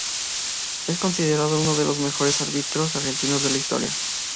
Es considerado uno de los mejores árbitros argentinos de la historia.